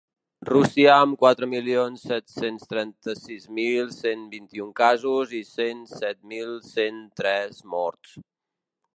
Rússia, amb quatre milions set-cents trenta-sis mil cent vint-i-un casos i cent set mil cent tres morts.